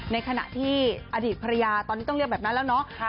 ในขณะที่อดีตภรรยาตอนนี้ต้องเรียกแบบนั้นแล้วเนาะ